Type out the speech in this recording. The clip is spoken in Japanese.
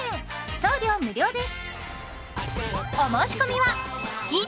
送料無料です